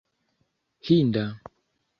hinda